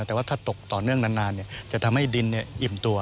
แต่ว่าถ้าตกต่อเนื่องนานจะทำให้ดินอิ่มตัว